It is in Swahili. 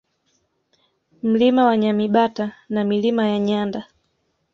Mlima wa Nyamibata na Milima ya Nyanda